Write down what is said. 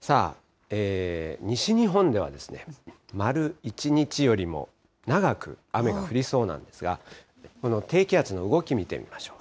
西日本では、まる１日よりも長く雨が降りそうなんですが、この低気圧の動き見てみましょう。